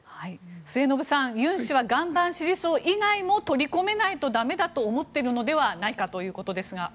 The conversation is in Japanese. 末延さんユン氏は岩盤支持層以外も取り込めないとだめだと思っているのではないかということですが。